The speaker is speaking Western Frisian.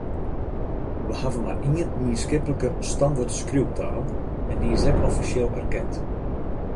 We hawwe mar ien mienskiplike standertskriuwtaal, en dy is ek offisjeel erkend.